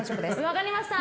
分かりました。